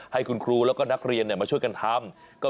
ให้คุณครูแล้วก็นักเรียนมาช่วยกันทำ